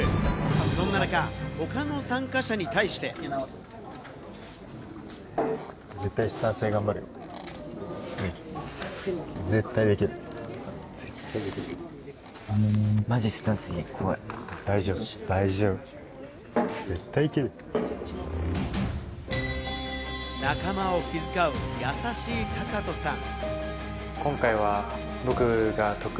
そんな中、他の参加者に対して。仲間を気遣う優しいタカトさん。